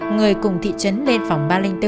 người cùng thị trấn lên phòng ba trăm linh bốn